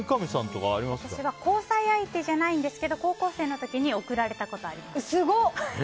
私は交際相手じゃないんですが高校生の時に贈られたことあります。